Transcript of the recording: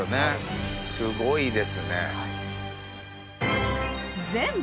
すごいですね。